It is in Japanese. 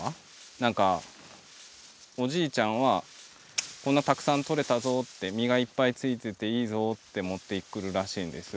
なんかおじいちゃんはこんなたくさんとれたぞって実がいっぱいついてていいぞって持ってくるらしいんです。